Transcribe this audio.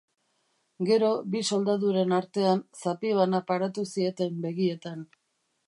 Gero, bi soldaduren artean zapi bana paratu zieten begietan.